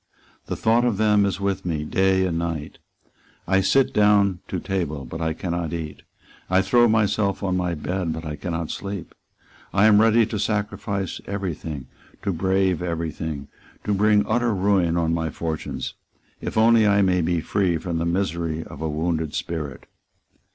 The thought of them is with me day and night. I sit down to table; but I cannot eat. I throw myself on my bed; but I cannot sleep. I am ready to sacrifice every thing, to brave every thing, to bring utter ruin on my fortunes, if only I may be free from the misery of a wounded spirit."